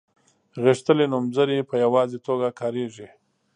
غښتلي نومځري په یوازې توګه کاریږي.